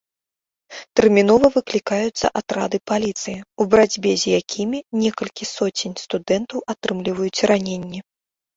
Тэрмінова выклікаюцца атрады паліцыі, у барацьбе з якімі некалькі соцень студэнтаў атрымліваюць раненні.